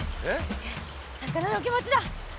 よし魚の気持ちだ。